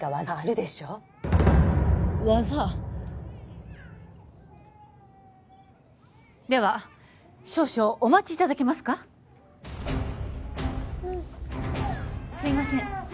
技？では少々お待ちいただけますかすいません